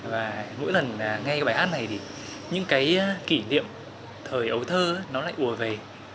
và mỗi lần nghe bài hát này thì những cái kỷ niệm thời ấu thơ nó lại bùa về